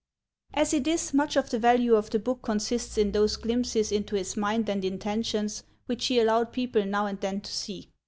As it is, much of the value of the book consists in those glimpses into his mind and intentions which he allowed people now and then to see.